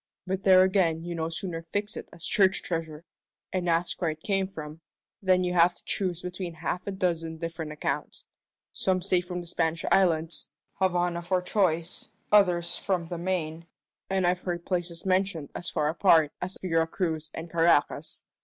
But there again you no sooner fix it as church treasure, and ask where it came from, than you have to choose between half a dozen different accounts. Some say from the Spanish islands Havana for choice; others from the Main, and I've heard places mentioned as far apart us Vera Cruz and Caracas.